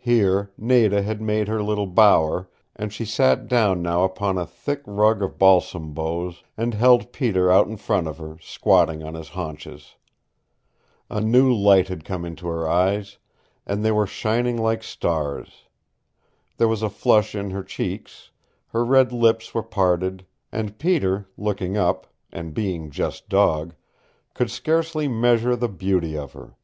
Here Nada had made her little bower, and she sat down now upon a thick rug of balsam boughs, and held Peter out in front of her, squatted on his haunches. A new light had come into her eyes, and they were shining like stars. There was a flush in her cheeks, her red lips were parted, and Peter, looking up and being just dog could scarcely measure the beauty of her.